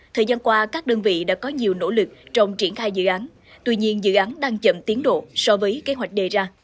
thời gian qua các đơn vị đã có nhiều nỗ lực trong triển khai dự án tuy nhiên dự án đang chậm tiến độ so với kế hoạch đề ra